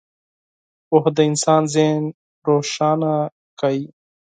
• پوهه د انسان ذهن روښانه کوي.